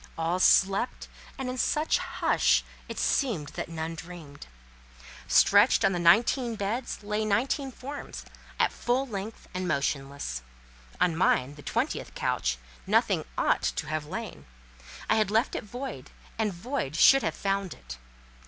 All slept, and in such hush, it seemed that none dreamed. Stretched on the nineteen beds lay nineteen forms, at full length and motionless. On mine—the twentieth couch—nothing ought to have lain: I had left it void, and void should have found it.